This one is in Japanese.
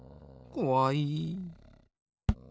こわい。